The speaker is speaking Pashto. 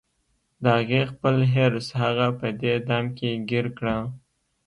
د هغې خپل حرص هغه په دې دام کې ګیر کړه